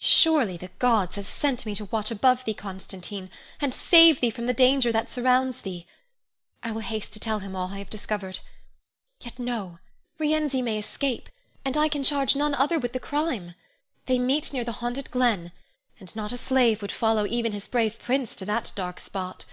Surely the gods have sent me to watch above thee, Constantine, and save thee from the danger that surrounds thee. I will haste to tell him all I have discovered. Yet, no! Rienzi may escape, and I can charge none other with the crime. They meet near the haunted glen, and not a slave would follow even his brave prince to that dark spot.